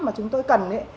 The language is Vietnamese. mà chúng tôi cần